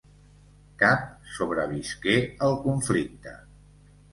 Cap sobrevisqué el conflicte.